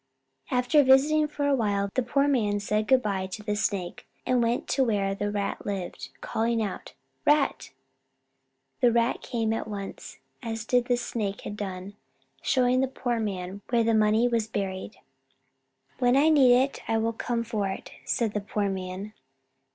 After visiting for a while, the poor man said good by to the Snake, and went to where the Rat lived, calling out, "Rat!" The Rat came at once, and did as the Snake had done, showing the poor man where the money was buried. "When I need it, I will come for it," said the poor man.